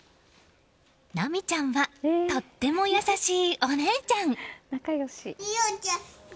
奈美ちゃんはとっても優しいお姉ちゃん。